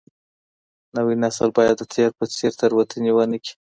نوی نسل بايد د تېر په څېر تېروتني ونه کړي.